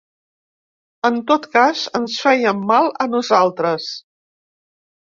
En tot cas, ens fèiem mal a nosaltres.